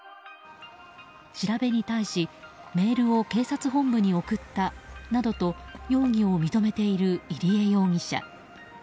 調べに対しメールを警察本部に送ったなどと容疑を認めている入江容疑者。